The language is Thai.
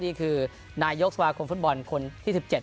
นี่คือนายกสมาคมฟุตบอลคนที่๑๗